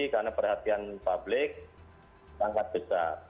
karena perhatian publik sangat besar